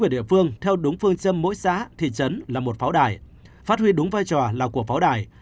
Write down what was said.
ở địa phương theo đúng phương châm mỗi xã thị trấn là một pháo đài phát huy đúng vai trò là của pháo đài